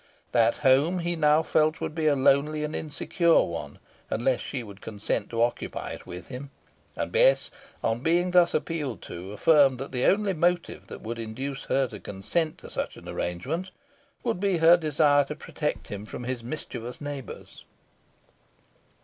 That home he now felt would be a lonely and insecure one unless she would consent to occupy it with him; and Bess, on being thus appealed to, affirmed that the only motive that would induce her to consent to such an arrangement would be her desire to protect him from his mischievous neighbours.